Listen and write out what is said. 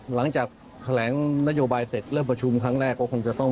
หลังจากแถลงนโยบายเสร็จเริ่มประชุมครั้งแรกก็คงจะต้อง